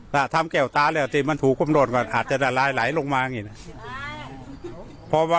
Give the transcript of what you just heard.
ถ้าทำเก่วตาเลยอาจจะมันถูกกลมโรนก่อนอาจจะหลายหลายลงมาอย่างงี้น่ะ